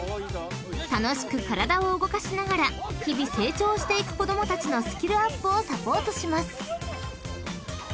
［楽しく体を動かしながら日々成長していく子供たちのスキルアップをサポートします］